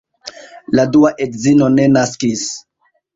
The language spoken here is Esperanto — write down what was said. La dua edzino ne naskis.